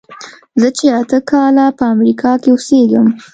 زه چې اته کاله په امریکا کې اوسېږم.